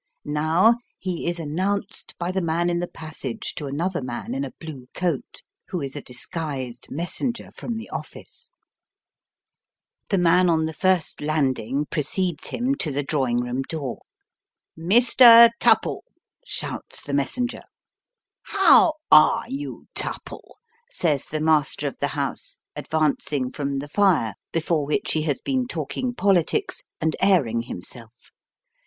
Now ho is announced by the man in the passage to another man in a blue coat, who is a disguised messenger from the office. 1 68 Sketches by Boz. The man on the first landing precedes him to the drawing room door. " Mr. Tttpple !" shonts the messenger. " How are you, Tupple?" says the master of the house, advancing from the fire, before which he has been talking politics and airing himself.